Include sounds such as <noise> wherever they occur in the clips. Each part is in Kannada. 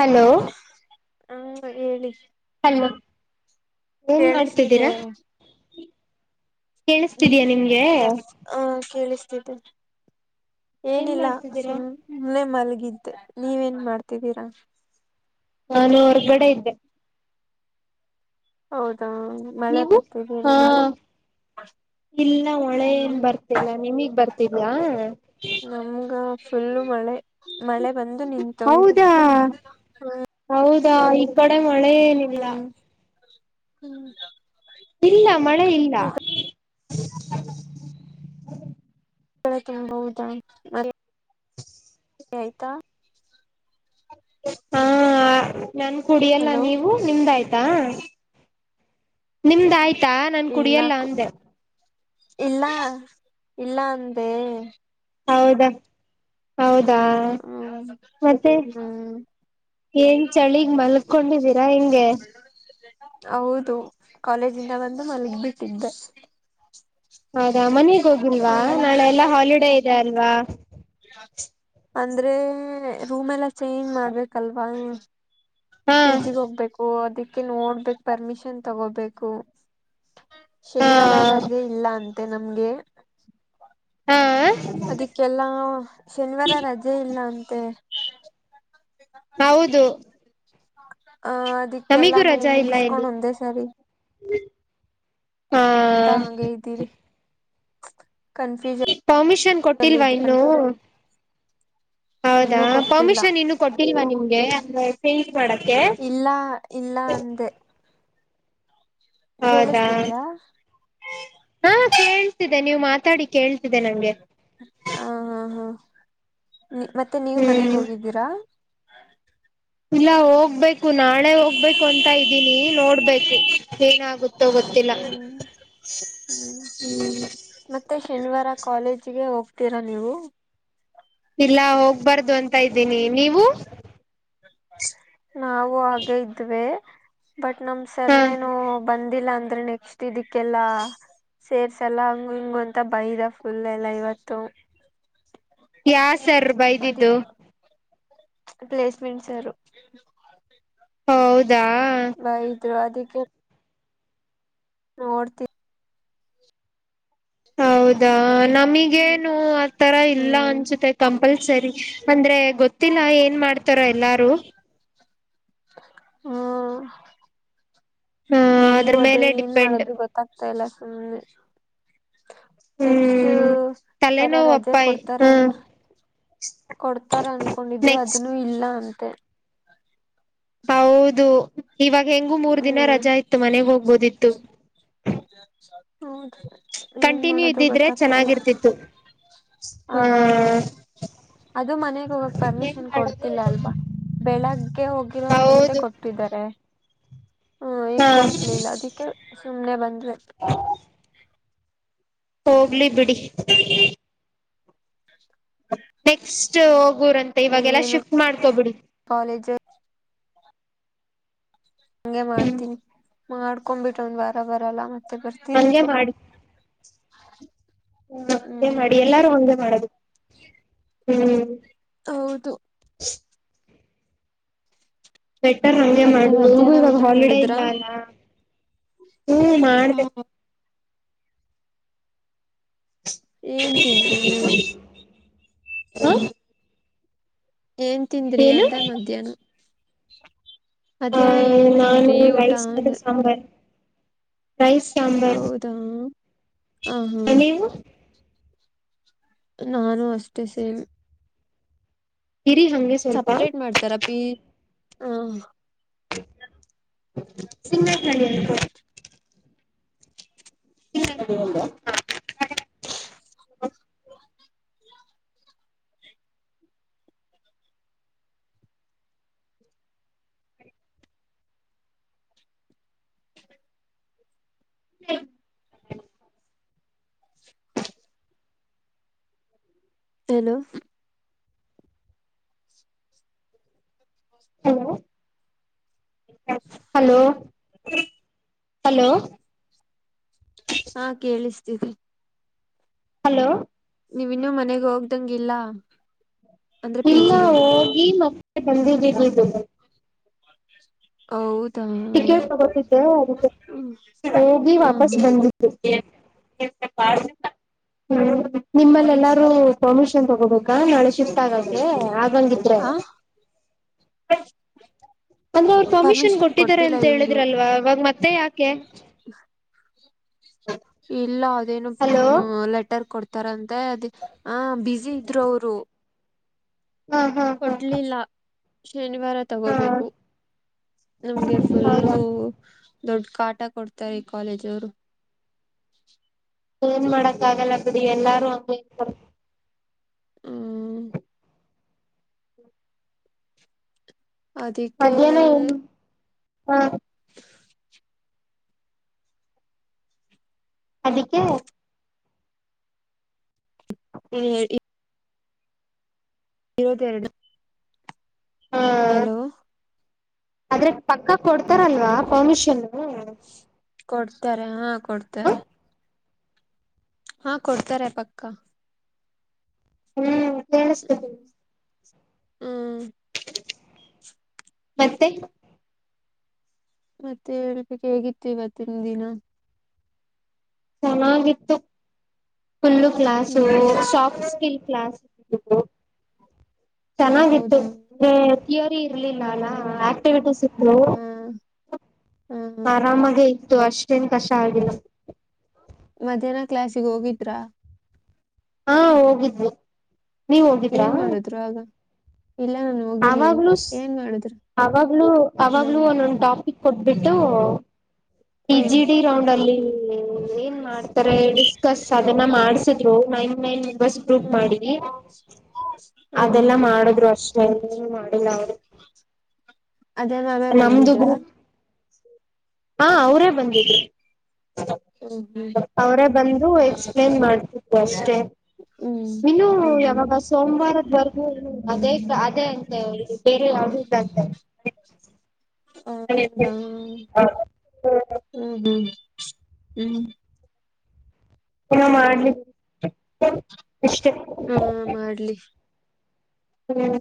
ಹಲೋ ಹ್ಮ ಹೇಳಿ ಹಲೋ ಏನ್ ಕೇಳಿಸ್ತಿದೆ ಮಾಡ್ತಿದ್ದೀರಾ. ಕೇಳಿಸ್ತಿದಯಾ ನಿಮ್ಗೆ ಆ ಕೇಳ ಏನ್ ಏನಿಲ್ಲ ಮಾಡ್ತಿದ್ದೀರಾ ಸುಮ್ನೆ ಮಲ್ಗಿ ಇದಿದ್ದ ನೀವೇನ್ ಮಾಡ್ತಿದ್ದೀರಾ? ನಾನು ಹೊರ್ಗಡೆ ಇದ್ದೆ ಹೌದಾ ಮಳೆ ನೀವು ಬರ್ತಿದಿ ಹಾ ನಿಮಗೆ? ಇಲ್ಲ ಮಳೆನ್ ಬರ್ತಿಲ್ಲ ನಿಮಗ್ ಬರ್ತಿದ್ಯಾ? ನಮ್ಗ ಫುಲ್ಲು ಮಳೆ. ಮಳೆ ಬಂದು ನಿಂತೋಗಿದೆ. ಹೌದಾ ಹೌದಾ ಈ ಕಡೆ ಮಳೆ ಏನಿಲ್ಲ. ಹ್ಮ್ ಇಲ್ಲ ಮಳೆ ಇಲ್ಲ. ಈ ತುಂಬಬಹದಾ. ಆಯ್ತಾ ಹಾ ನನ್ ಕುಡಿಯಲ್ಲ ಹಲೋ ನೀವು ನಿಮ್ದ ಆಯ್ತು. ನಿಮ್ದ ಆಯ್ತು. ತ್ತಾ ನನ್ ಇಲ್ಲ ಕುಡಿಯಲ್ಲ ಅಂದೆ. ಇಲ್ಲ ಇಲ್ಲ ಅಂದೆ. ಹೌದಾ ಹೌದಾ ಹ್ಮ್ ಹ್ಮ್ ಮತ್ತೆ ಹ್ಮ್ ಏನ್ ಚಳಿಗ್ ಮಲ್ಕೊಂಡಿದ್ದೀರಾ ಹೆಂಗೆ? ಹೌದು ಕಾಲೇಜಿಂದ ಬಂದು ಮಲಗ್ ಬಿಟ್ಟಿದ್ದೆ. ಹೌದಾ ಮನೆಗ್ ಹೋಗಿಲ್ವಾ ನಾಳೆ ಎಲ್ಲಾ ಹಾಲಿಡೇ ಇದೆ ಅಲ್ವಾ. ಅಂದ್ರೆ ರೂಮ್ ಎಲ್ಲ ಚೇಂಜ್ ಮಾಡ್ಬೇಕಲ್ವಾ. ಹಾ ಪಿ ಜಿಗ್ ಹೋಗ್ಬೇಕು ಅದಕ್ಕೆ ನೋಡ್ಬೇಕ ಪರ್ಮಿಷನ್ ತಗೋಬೇಕು. ಹಾ ಶನಿವಾರ ರಜೆ ಇಲ್ಲ ಅಂತೆ ನಮ್ಗೆ. ಹಾ ಅದಿಕ್ಕೆಲ್ಲಾ ಶನಿವಾರ ರಜೆ ಇಲ್ಲ ಅಂತೆ. ಹೌದು. ಅಹ ನಮಿಗೂ ಅದಕ್ಕೆಲ್ಲಾನ ಮುಗಿಸಕೊಂಡ್ ಒಂದೇ ಸರಿ. ಹ ಎಂತ ಹಗೆ ಇದ್ದೀನಿ. ಕನ್ಫ್ಯೂಷನ್ ಪರ್ಮಿಷನ್ ಅಲ್ಲಿ ಕೊಟ್ಟಿಲ್ವಾ ಇದ್ದೀನಿ ಇನ್ನು? ಹೌದಾ ಇನ್ನೂ ಕೊಟ್ಟಿಲ್ಲ ಪರ್ಮಿಷನ್ ಇನ್ನು ಕೊಟ್ಟಿಲ್ವಾ ನಿಮ್ಗೆ ಅಂದ್ರೆ ಚೇಂಜ್ ಮಾಡಕ್ಕೆ. ಲ್ಲ ಅಂದ. <unintelligible> ಹೌದಾ ಕೇಳಿಸ್ತಿದ್ಯಾ? ಹಾ ಕೇಳ್ತಿದೆೆ ನೀವು ಮಾತಾಡಿ ಕೇಳ್ತಿದೆೆ ನಂಗೆ. ನೀ ಮತ್ತೆ ನೀವು ಮನೆಗೆ ಹ್ಮ್ ಹೋಗಿದ್ದೀರಾ? ಇಲ್ಲ ಹೋಗ್ಬೇಕು. ನಾಳೆ ಹೋಗ್ಬೇಕು ಅಂತ ಇದ್ದೀನಿ ನೋಡ್ಬೇಕು ಏನಾಗುತ್ತೋ ಗೊತ್ತಿಲ್ಲ. ಹ್ಮ್ ಹ್ಮ್ ಹ್ಮ್ ಕಾಲೇಜಗೆ ಹೋಗ್ತೀರಾ ನೀವು? ಇಲ್ಲ ಹೋಗ್ಬಾರ್ದು ಅಂತ ಇದ್ದೀನಿ ನೀವು? ನಾವು ಹಾಗೆ ಇದ್ವೆ. ಬಟ್ ನಮ ಹಾ ಸರೇನು ಬಂದಿಲ್ಲ ಅಂದ್ರೆ ನೆಕ್ಸ್ಟ್ ಇದಿಕ್ಕೆಲ್ಲಾ. ಸೇರ್ಸಲ್ಲ ಹಂಗ ಹಿಂಗ ಅಂತ ಬೈದ ಫುಲ್ ಎಲ್ಲ ಇವತ್ತು. ಯಾ ಸರ್ ಬೈದಿದ್ದು. ಅದಿಕ್ ಪ್ಲೇಸ್ಮೆಂಟ್ ಸರು. ಹೌದಾ ಉತ್ತವಾದಕ್ಕೆ. ಅವ ಹೌದಾ ಹ್ಮ್ ನಮಗೇನು ಆತರ ಇಲ್ಲ ಹ್ಮ್ ಅನ್ಸತೆ ಕಂಪಲ್ಸ ಸರಿ ಅಂದ್ರೆ ಗೊತ್ತಿಲ್ಲ ಏನ್ ಮಾಡ್ತಾರ ಎಲ್ಲಾರು ಹ್ಮ ಹ ನಮಗು ಅದ್ರ ಅದೇ ಮೇಲೆ ಏನ್ ಡಿಪೆಂಡ್ ಮಾಡದು ಗೊತ್ತಾಗ್ತಾ ಇಲ್ಲ ಸುಮ್ಮ್ನೆ ನೆಕ್ಸ್ಟ್ ಹ್ಮ್ ಹೊರ ತಲೆನೋವು ರಜೆ ಅಪ್ಪಾಯಿ ಕೊಡ್ತಾರ ಹ್ಮ್ ಏನರಿ ಕೊಡ್ತಾರ ಅನ್ಕೊಂಡಿದ್ರೆ ನೆಕ್ಸ್ಟ್ ಅದನ್ನು ಇಲ್ಲ ಅಂತೆ ಹೌದು ಇವಾಗ ಹೆಂಗು ಮೂರ್ ದಿನ ಹ್ಮ್ ರಜಾ ಇತ್ತು ಮನೆಗ್ ಹೋಗ್ಬೋದಿತ್ತು ಹೌದು ಏನ್ ಕಂಟಿನ್ಯೂ ಮಾಡೋದು ಗೊತ್ತಾಗ್ತಾ ಇಲ್ಲ ಆ ಹ್ಮ ಅದು ಮನೆಗ ಹೋಗಾಗ ಪರ್ಮಿಷನ್ ಕೊಡ್ತಿಲ್ಲ ಅಲ್ವಾ. ಬೆಳಗ್ಗೆ ಹೋಗಿರವ್ಗಷ್ಟೇ ಹೌದು ಕೊಟ್ಟಿದ್ದಾರೆ. ಹ್ಮ್ ಈಗ್ ಹಾ ಕೊಟ್ಲಿಲ್ಲ ಅದಕ್ಕೆ ಸುಮ್ನೆ ಬಂದ್ರೆ. ಹೋಗ್ಲಿ ಬಿಡಿ ನೆಕ್ಸ್ಟ್ ಹೋಗೋರ್ಂತ ಇವಾಗೆಲ್ಲ ಏನು ಶಿಫ್ಟ್ ಮಾಡ್ಕೊಬಿಡಿ ಕಾಲೇಜ್ ಹಂಗೆ ಹ್ಮ್ ಮಾಡ್ತೀನಿ ಮಾಡ್ಕೊಬಿಟ್ಟ ಒಂದ್ ವಾರ ಬರಲ್ಲ ಮತ್ತೆ ತ್ತ ಬರ್ತೀನಿ ಹಂಗೆ ಹ್ಮೆ ಹ್ಮ್ ಮಾಡಿ ಎಲ್ಲಾರು ಒಂದೇ ಮಾಡದು ಹ್ಮ್ ಹೌದು <unintelligible> ಸ್ವೆಟ್ಟರ್ ಹಗೆ ಮತ್ತೆ ಮಾಡು ಹಗೂ ಮಧ್ಯಾಹ್ನ ಇವಾಗ ಊಟ ಹಾಲಿಡೇ ಮಾಡಿದ್ರ ಇಲ್ಲ ಅಲ್ಲ ಹ್ಮ ಮಾಡ್ಬೇಕ ಹ ಏನ್ ತಿಂದ ರೀ ನೀವು ಹ ಏನ್ ತಿಂದ್ರಿ ಏನು ಅಂದೆ ಮಧ್ಯಾಹ್ನ ಆ ಮಧ್ಯಾಹ್ನ ಏನ್ ನಾನು ತಿಂದರಿ ಊಟ ರೈಸ್ ಮತ್ತೆ ಅಂದೆ ಸಾಂಬಾರ್ ರೈಸ್ ಸಾಂಬರ್ ಹೌದಾ ಹ ಹಾ ನಾನು ಅಷ್ಟೇ ಸೇಮ್ ಇರಿ ಹಂಗೆ ಸ್ವಲ್ಪ ಸಪ್ರೇಟ್ ಮಾಡ್ತಾರ ಪಿ ಹ ಸಿಂಮನಲ್ಲಿ ಹ ಹ್ಮ <inaudible> ಹಲೋ ಹಲೋ ಹಲೋ ಹಲೋ ಹಾ ಕೇಳಸ್ತೀದೆ ಹಲೋ ನೀವವಿನ್ನು ಮನೆಗ್ ಹೋಗ್ದಂಗಿಲ್ಲ ಅಂದ್ರೆ ಪಿ ಇಲ್ಲ ಜಿಗೆ ಹೋಗಿ ಮಕ್ಕಳೆ ಮತ್ತೆ ಬಂದಿದೀವಿ ಹೌದು ಟಿಕೆಟ್ ತಗೋತಿದ್ದೆ ಅದಿಕ್ಕೆ ಹೋಗಿ ಹ್ಮ್ ವಾಪಸ್ ಹ್ಮ್ ಬಂದಿದ್ದೆ <unintelligible> ಹ್ಮ ನಿಮ್ಮಲ್ಲಿ ಎಲ್ಲಾರೂ ಪರ್ಮಿಷನ್ ತಗೋಬೇಕಾ ನಾಳೆ ಶಿ ಗೆ ಆಗಂಗಿದ್ರೆ ಆ <unintelligible> ಅಂದ್ರೆ ಅವ್ರು ಪರ್ಮಿಷನ್ ಕೊಟ್ಟಿದ್ದಾರೆ ಅಂತ ಹೇಳಿದ್ರಲ್ವಾ ಇವಾಗ ಮತ್ತೆ ಯಾಕೆ ಹ ಅದೇನು ಹಲೋ ಹ್ಮ ಲೆಟರ್ ಕೊಡ್ತಾರಂತ ಅದೇ ಹಾ ಬ್ಯುಸಿ ಇದ್ರು ಅವರು ಹಾ ಹಾ ಹಾ ಕೊಡ್ಲಿಲ್ಲ ಶನಿವಾರ ಹಾ ತಗೋಬೇಕು ನಮ್ಗೆ ಫುಲ್ಲು ಹೌದಾ ದೊಡ್ಡ ಕಾಟ ಕೊಡ್ತಾರೆ ಈ ಕಾಲೇಜ ಅವರು ಏನ್ ಮಾಡಕಾಗಲ್ಲ ಬೀಡಿ ಎಲ್ಲಾರು ಅಂಗೆ ಇರತ್ತಾರೆ ಹ್ಮ್ ಅದಿಕ್ಕೆ ಹಾ ಅದ್ದಿಕ್ಕೆ ಹ್ಮ ಇವತ್ತೆರಡು ಹ ಹಲೋ ಆದ್ರೆ ಪಕ್ಕ ಕೊಡ್ತಾರಲ್ವಾ ಪರ್ಮಿಷನ್ ಕೊಡ್ತಾರೆ ಹಾ ಕೊಡ್ತಾರೆ ಹ್ಮ್ ಹಾ ಕೊಡ್ತಾರೆ ಪಕ್ಕ ಹ್ಮ್ ಕೇಳಿಸ್ತಿದೆ ಹ್ಮ್ ಮತ್ತೆ ಮತ್ತೆ ಹೇಳಬೇಕ್ ಹೇಗಿತ್ತು ಇವತ್ತಿನ ದಿನ ಚೆನ್ನಾಗಿತ್ತು ಫುಲ್ಲು ಕ್ಲಾಸು ಹ್ಮ್ ಸಾಫ್ಟ್ ಸ್ಕಿಲ್ ಕ್ಲಾಸ ಇಟ್ಟಿದ್ರು ಚೆನ್ನಾಗಿತ್ತು ಹೌದಾ ಥಿಯೋರಿ ಇರ್ಲಿಲ್ಲ ಅಲ್ಲ ಹ್ಮ್ ಆಕ್ಟಿವಿಟೀಸ್ ಇತ್ತು ಹ್ಮ್ ಹ್ಮ್ ಆರಾಮಾಗೆ ಇತ್ತು ಅಷ್ಟೇನ್ ಕಷ್ಟ ಆಗಿಲ್ಲ ಮಧ್ಯಾಹ್ನ ಕ್ಲಾಸಿಗೆ ಹೋಗಿದ್ರಾ ಹಾ ಹೋಗಿದವಿ ಏನ್ ಮಾಡುದ್ರು ಆಗ ಇಲ್ಲ ನ ಅವಾಗ್ಲೂ ಅವಾಗ್ಲು ಅವಾಗ್ಲೂ ಹ್ಮ್ ಒನ್ನ ಒನ್ನ ಟಾಪಿಕ ಕೊಟ್ಬಿಟ್ಟು ಹ್ಮ್ ಜಿ ಡಿ ರೌಂಡ್ ಅಲ್ಲಿ ಏನ್ ಮಾಡ್ತಾರೆ ಡಿಸ್ಕಸ್ ಅದನ್ನ ಮಾಡ್ಸಿದ್ರು ನೈನ್ ಮೆಂಬರ್ಸ್ ಗ್ರೂಪ್ ಹ್ಮ್ ಮಾಡಿ ಹ್ಮ್ ಹ್ಮ್ ಅದೆಲ್ಲ ಮಾಡದ್ರು ಅಷ್ಟೇ ಮಾಡಿಲ್ಲ ಅದೇ ನಾವೇ ನಮ್ದು ಬಂದಿದ್ರ ಗ್ರೂಪ್ ಹಾ ಅವರೇ ಬಂದಿದ್ರು ಹ್ಮ್ ಹ್ಮ್ ಅವರೇ ಬಂದು ಎಕ್ಸ್ಪ್ಲೇನ್ ಮಾಡ್ತಿದ್ರು ಅಷ್ಟೇ ಹ್ಮ್ ನೀನು ಹ್ಮ್ ಹ್ಮ್ ಯಾವಾಗ ಸೋಮವಾರ ರಗು ಅದೇ ಅದೇ ಅಂತೆ ಬೇರೆ ಯಾವುದು ಇಲ್ಲಂತೆ ಹ ಹೌದಾ ಹ್ಮ್ ಹ್ಮ್ ಹ್ಮ್ ಹ ಮಾಡ್ಲಿ ಅಷ್ಟೇ ಹಾ ಮಾಡ್ಲಿ ಹ್ಮ್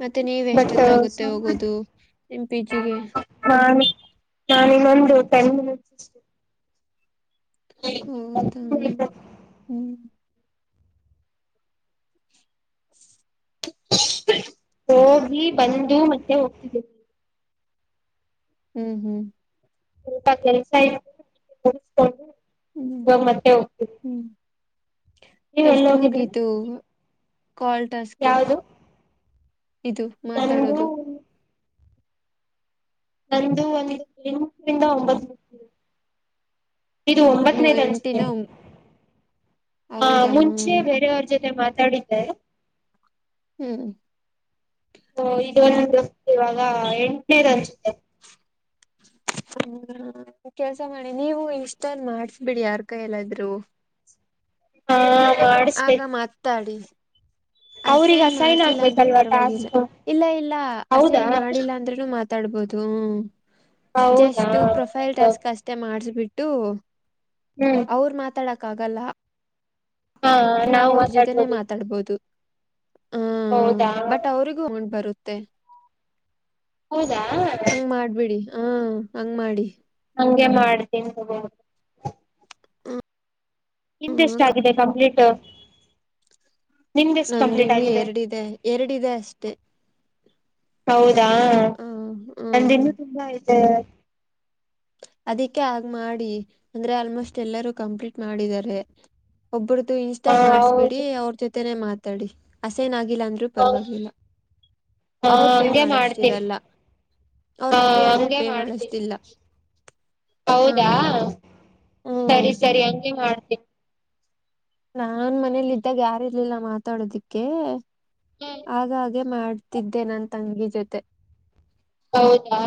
ಮತ್ತೆ ನೀವ ಬಟ್ ಎಷ್ಟೊತ್ತಾಗುತ್ತೆ ಸೋಮವಾರ ಹೋಗೋದು ನಿಮ್ಮ ಪಿ ಜಿಗೆ ನಾನ ಇನ್ನೊಂದು ಟೆನ್ ಮಿನಿಟ್ಸ್ ಇಷ್ಟೇ ಹೌದಾ ಹ್ಮ್ ಹೋಗಿ ಬಂದು ಮತ್ತೆ ಹೋಗ್ತಿದ್ದೇನ ಹ್ಮ್ ಹ್ಮ್ ಸ್ವಲ್ಪ ಕೆಲ್ಸ ಇಕೊಂಡು ಇವಾಗ ಮತ್ತೆ ಹೋಗ್ತವಿ ಎಷ್ಟ ಮುಗಿತು ಕಲ್ಟಾಸ್ಕೊ ಯಾವ್ದು ಇದು ಮಾತಾಡೋದು ನಂದು ನಂದು ಒಂದು ಎಂಟರಿಂದ ಒಂಬತ್ ಇದು ಮೂ ಒಂಬತ್ತನೇದು ಅನಸುತ್ತೇ ಎಂಟಿನ ಹಾ ಹೌದಾ ಮುಂಚೆ ಹ್ಮ್ ಬೇರೆಯವ್ರ ಜೊತೆ ಮಾತಾಡಿದ್ದೇ ಹ್ಮ್ ಓ ಇಂದು ಇವಾಗ ಎಂಟನೇದ ಅಂಸುತ್ತ ಹ ಕೆಲ್ಸ ಮಾಡಿ ನೀವು ಇಷ್ಟೊನ್ ಮಾಡಸ್ಬಿಡಿ ಯಾರ್ ಕೈ ಎಲ್ಲಾದ್ರು ಹಾ ಆಗ ಮಾಡಿಸ್ಬೇಕು ಮಾತಾಡಿ ಅವ್ರಿಗೆ ಅಸೈನ್ ಮಾಡ್ಸಿಲ್ಲ ಅಂದ್ರು ಆಗ್ಬೇಕಲ್ವಾ ಪರವಾಗಿಲ್ಲ ಟಾಸ್ಕ್ ಇಲ್ಲ ಇಲ್ಲ ಹೌದಾ ಅಸೈನ್ ಮಾಡಿಲ್ಲ ಅಂದ್ರೂನು ಮ ಮಾತಾಡ್ಬೋದು ಹ್ಮ ಹೌದಾ ಜಸ್ಟ್ ಪ್ರೊಫೈಲ್ ಟಾಸ್ಕ್ ಅಷ್ಟೇ ಮಾಡಸಬಿಟ್ಟು ಹ್ಮ್ ಅವ್ರ ಮಾತಾಡಕ್ಕಾಗಲ್ಲ ಹಾ ನಾವು ಅವ್ರ ಜೊತೆನೆೇ ಮಾತಾಡ್ಬೋದು ಮಾತಾಡ್ಬೋದು ಹಾ ಹೌದಾ ಬಟ್ ಅವ್ರಿಗೂ ಹೊಂಡ್ ಬರುತ್ತೆ ಹೌದಾ ಹ್ಮ ಹಂಗ ಮಾಡಿ ಹಂಗೆ ಮಾಡ್ತೀನಿ ಹ್ಮ ಕಪ್ ನಿಂದೆಷ್ಟಗಿದೆ ಕಂಪ್ಲೀಟ್ ನಿಮ್ದೆಷ್ಟು ನಂದು ಕಂಪ್ಲೀಟ್ ಇನ್ನು ಆಗಿದೆ ಎರಡಿದೆ ಎರಡಿದೆ ಅಷ್ಟೆ ಹೌದಾ ಹ ಹ್ಮ್ ನಂದಿನ್ನುೂ ತುಂಬಾ ಆಯ್ತ ಅದಕ್ಕೆ ಆಗ ಮಾಡಿ ಅಂದ್ರೆ ಆಲ್ಮೋಸ್ಟ್ ಎಲ್ಲರೂ ಕಂಪ್ಲೀಟ್ ಮಾಡಿದ್ದಾರೆ ಒಬ್ಬರ್ದು ಹಾ ಇನ್ಸ್ಟಾಲ್ ಹೌದು ಮಾಡಿಸಬಿಡಿ ಅವ್ರ ಜೊತೆನೆ ಮಾತಾಡಿ ಅಸೈನ್ ಆಗ ಆಗಿಲ್ಲಾಂದ್ರೂ ಹ ಪರವಾಗಿಲ್ಲ ಹ ಅವ್ರ ಪೇ ಹಂಗೆ ಮಾಡ್ತೀನಿ ಮಾಡಸ್ತಿರಲ್ಲ ಅವ್ರ ಹ ತ್ರ್ರೀ ಹಂಡ್ರೆಡ್ ಹಂಗೆ ಪೇ ಮಾಡ್ತೀನಿ ಮಾಡಸ್ತಿಲ್ಲ ಹೌದಾ ಹ್ಮ್ ಸರಿ ಸರಿ ಹಂಗೆ ಮಾಡ್ತೀನಿ ನಾನ್ ಮನೇಲಿ ಇದ್ದಾಗ ಯಾರು ಇರ್ಲಿಲ್ಲ ಮಾತಾಡೋದಿಕ್ಕೆ ಹ ಹಾಗಾಗಿ ಹಾಗಗೆ ಮಾಡ್ತಿದ್ದೆ ನನ್ ತಂಗಿ ಜೊತೆ ಹೌದಾ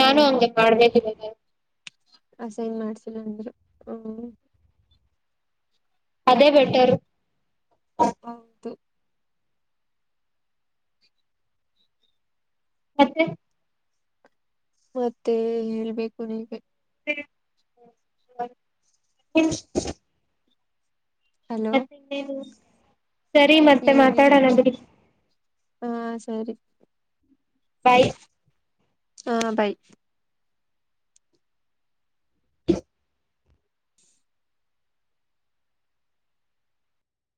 ನಾನು ಹಂಗೆ ಮಾಡ್ಬೇಕಾಗ ಅಸೈನ್ ಮಾಡ್ಸಿಲ್ಲ ಅಂದ್ರರು ಹ ಅದೇ ಬೆಟ್ಟರು ಹೌದು ಮತ್ತೆ ಮತ್ತೆ ಹೇಳ್ಬೇಕು ನೀವ ಹು ಹಲೋ ಮತ್ತೆಟೇದು ಸರಿ ಮತ್ತೆ ಏನಿಲ್ಲ ಮಾತಾಡೋಣ ಬಿಡಿ ಹಾ ಸರಿ ಬೈ ಹಾ ಬಾಯ <inaudible>